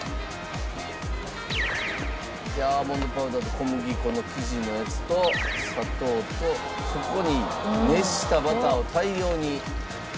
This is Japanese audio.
アーモンドパウダーと小麦粉の生地のやつと砂糖とそこに熱したバターを大量に。